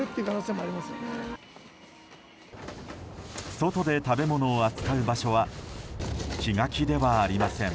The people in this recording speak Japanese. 外で食べ物を扱う場所は気が気ではありません。